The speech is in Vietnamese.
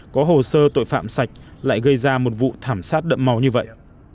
có hồ sơ tội phạm sạch lại gây ra một vụ thảm sát đậm màu như vậy